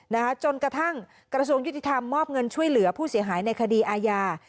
จนกระทั่งกระทรวงยุติธรรมมอบเงินช่วยเหลือผู้เสียหายในคดีอาญา